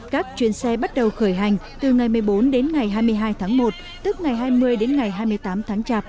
các chuyến xe bắt đầu khởi hành